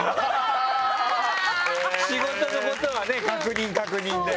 仕事のことはね確認、確認で。